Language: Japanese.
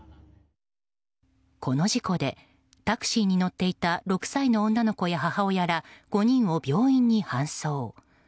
この事故でタクシーに乗っていた６歳の女の子や母親ら５人を病院に搬送。